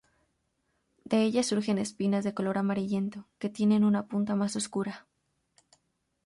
De ellas surgen espinas de color amarillento que tienen una punta más oscura.